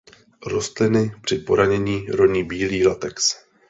Rostliny při poranění roní bílý latex.